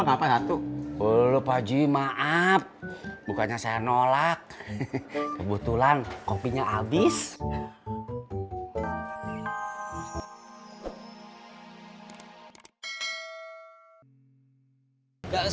ngapain tuh lu pak ji maaf bukannya saya nolak kebetulan kopinya abis